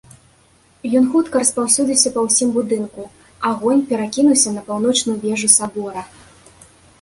Ён хутка распаўсюдзіўся па ўсім будынку, агонь перакінуўся на паўночную вежу сабора.